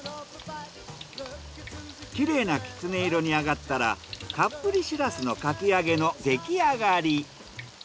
きれいなきつね色に揚がったらたっぷりしらすのかき揚げの出来上がり。